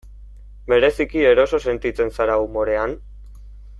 Bereziki eroso sentitzen zara umorean?